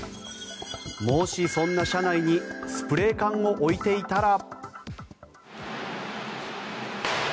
もしそんな車内にスプレー缶を置いていたら。